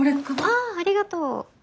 あっありがとう。